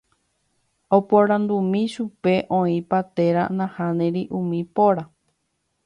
Aporandumi chupe oĩpa térã nahániri umi póra.